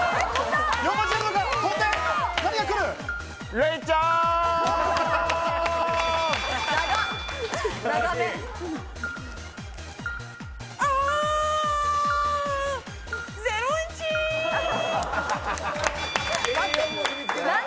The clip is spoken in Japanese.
レイちゃん！